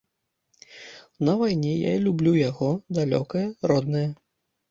На вайне я люблю яго, далёкае, роднае.